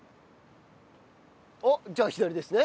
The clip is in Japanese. おっじゃあ左ですね。